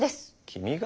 君が？